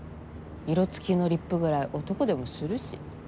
色つきのリップぐらい男でもするし。